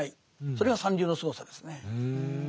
それが三流のすごさですね。